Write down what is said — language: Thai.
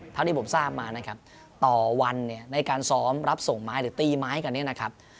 เท่าที่ผมทราบมานะครับต่อวันเนี่ยในการซ้อมรับส่งไม้หรือตีไม้กันเนี่ยนะครับ